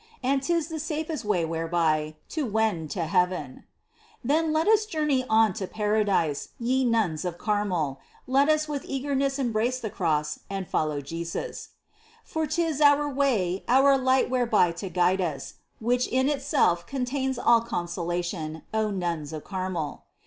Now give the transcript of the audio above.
And 'tis the safest way whereby To wend to heaven. Then let us journey on to Paradise, Ye Nuns of Carmel ; Let us with eagerness embrace the Cross And follow Jesus. 40 MINOR WORKS OF ST. TERESA, For 'tis our way, our light whereby to guide us, Which in itself contains all consolation, O Nuns of Carmel